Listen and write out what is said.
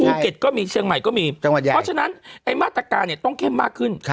ภูเก็ตก็มีเชียงใหม่ก็มีเพราะฉะนั้นมาตรการต้องเข้มมากขึ้น